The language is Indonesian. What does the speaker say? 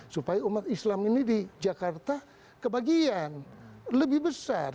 supaya umat islam ini di jakarta kebagian lebih besar